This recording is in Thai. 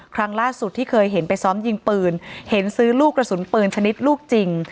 ครั้งล่าสุดที่เคยเห็นไปซ้อมยิงปืนเห็นซื้อลูกกระสุนปืนชนิดลูกจริง